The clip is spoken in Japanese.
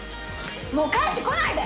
もう帰ってこないで。